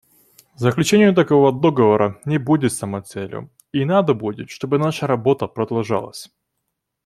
Заключение такого договора не будет самоцелью; и надо будет, чтобы наша работа продолжалась.